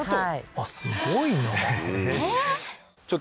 あっすごいなえっ？